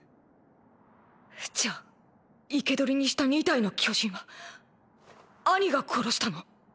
じゃあ生け捕りにした２体の巨人はアニが殺したの？